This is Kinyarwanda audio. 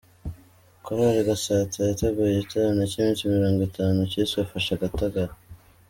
Korari Gatsata yateguye igiterane cy’iminsi mirongo itanu cyiswe Fasha Gatagara